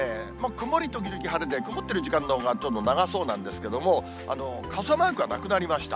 曇り時々晴れで、曇ってる時間のほうがどうも長そうなんですけども、傘マークはなくなりました。